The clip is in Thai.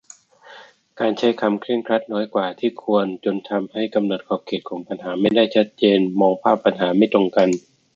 การใช้คำโดยเคร่งครัดน้อยกว่าที่ควร จนทำให้กำหนดขอบเขตของปัญหาไม่ได้ชัดเจน-มองภาพปัญหาไม่ตรงกัน